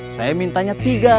saya mintanya tiga